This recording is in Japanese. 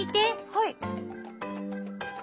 はい。